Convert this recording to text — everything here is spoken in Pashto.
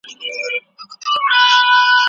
رښتیا غلط تبلیغ نه غولوي.